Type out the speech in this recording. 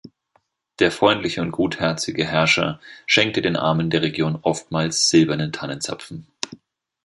Der freundliche und gutherzige Herrscher schenkte den Armen der Region oftmals silberne Tannenzapfen.